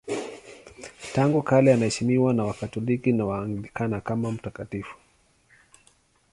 Tangu kale anaheshimiwa na Wakatoliki na Waanglikana kama mtakatifu.